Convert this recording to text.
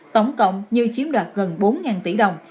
tổng cộng như chiếm đoạt gần bốn tỷ đồng